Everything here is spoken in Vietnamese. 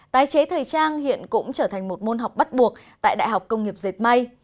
tái chế thời trang hiện cũng trở thành một môn học bắt buộc tại đại học công nghiệp dệt may